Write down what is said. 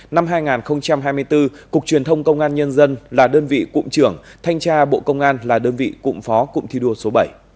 năm hai nghìn hai mươi bốn cục truyền thông công an nhân dân là đơn vị cụm trưởng thanh tra bộ công an là đơn vị cụm phó cụm thi đua số bảy